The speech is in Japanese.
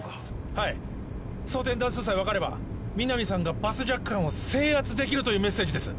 はい装填弾数さえ分かれば皆実さんがバスジャック犯を制圧できるというメッセージです